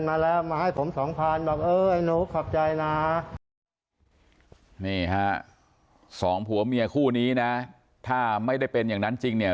นี่ฮะสองผัวเมียคู่นี้นะถ้าไม่ได้เป็นอย่างนั้นจริงเนี่ย